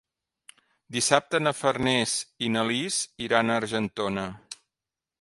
Dissabte na Farners i na Lis iran a Argentona.